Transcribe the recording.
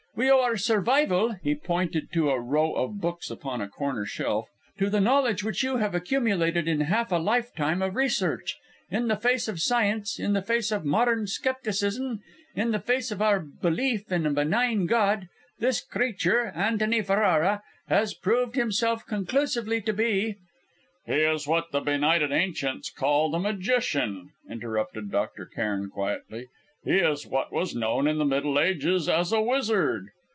We owe our survival" he pointed to a row of books upon a corner shelf "to the knowledge which you have accumulated in half a life time of research. In the face of science, in the face of modern scepticism, in the face of our belief in a benign God, this creature, Antony Ferrara, has proved himself conclusively to be " "He is what the benighted ancients called a magician," interrupted Dr. Cairn quietly. "He is what was known in the Middle Ages as a wizard.